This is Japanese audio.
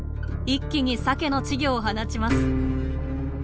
一気にサケの稚魚を放ちます。